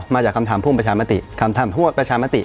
มาจากคำถามพวกประชามาติ